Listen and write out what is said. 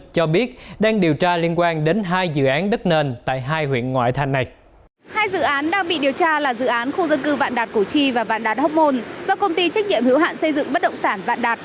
do công ty trách nhiệm hữu hạn xây dựng bất động sản vạn đạt